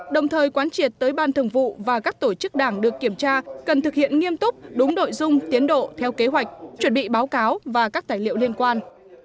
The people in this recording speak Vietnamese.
đồng thời quán triệt tới ban thường vụ và các tổ chức đảng được kiểm tra cần thực hiện nghiêm túc đúng đội dung tiến độ theo kế hoạch chuẩn bị báo cáo và các tài liệu liên quan